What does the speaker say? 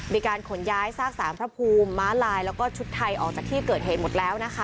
มีการขนย้ายซากสารพระภูมิม้าลายแล้วก็ชุดไทยออกจากที่เกิดเหตุหมดแล้วนะคะ